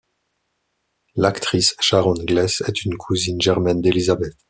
L'actrice Sharon Gless est une cousine germaine d'Elizabeth.